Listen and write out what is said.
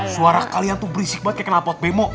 suara kalian tuh berisik banget kayak kena pot bemo